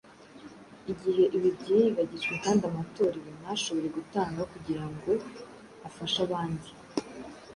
Igihe ibi byirengagijwe kandi amatorero ntashobore gutanga kugira ngo afashe abandi,